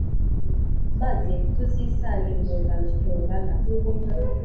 Maze tuzisangize urungano tungana